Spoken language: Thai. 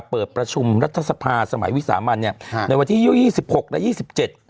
เปิดประชุมรัฐสภาสมัยวิสามันเนี่ยค่ะในวันที่ยี่ยวยี่สิบหกและยี่สิบเจ็ด